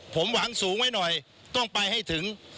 ผมหวังสูงไว้หน่อยต้องไปให้ถึง